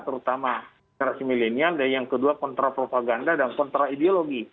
terutama generasi milenial dan yang kedua kontra propaganda dan kontra ideologi